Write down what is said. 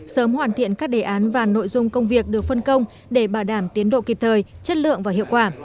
sớm hoàn thiện các đề án và nội dung công việc được phân công để bảo đảm tiến độ kịp thời chất lượng và hiệu quả